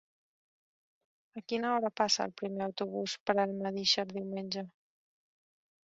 A quina hora passa el primer autobús per Almedíxer diumenge?